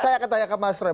saya ketanya ke mas roy